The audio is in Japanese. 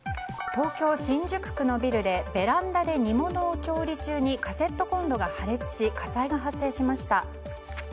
東京・新宿区のビルでベランダで煮物を調理中にカセットコンロが破裂し火災が発生しました。